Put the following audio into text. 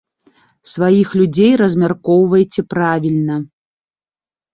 Сваіх людзей размяркоўваеце правільна.